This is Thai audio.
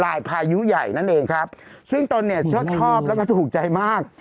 พายุใหญ่นั่นเองครับซึ่งตนเนี่ยชอบชอบแล้วก็ถูกใจมาก